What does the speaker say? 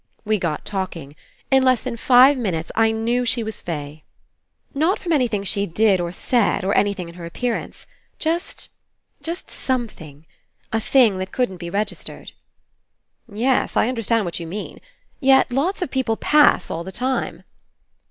We got talking. In less than five minutes, I knew she was 'fay.' Not from anything she did or said or anything In her appearance. Just — just something. A thing that couldn't be regis tered." "Yes, I understand what you mean. Yet lots of people 'pass' all the time."